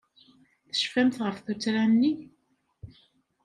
Tecfamt ɣef tuttra-nni?